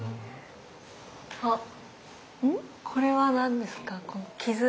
あこれは何ですか？傷？